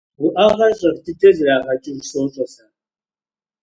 - Уӏэгъэр щӏэх дыдэ зэрагъэкӏыж сощӏэ сэ.